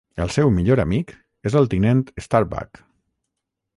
El seu millor amic és el tinent Starbuck.